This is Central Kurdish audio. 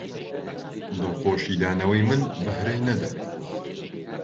دڵخۆشی دانەوەی من بەهرەی نەدا